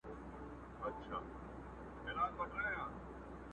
زړه به درکوم ته به یې نه منې!